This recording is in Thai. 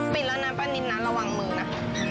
ปิดแล้วนะป้านิดนะระวังมือนะ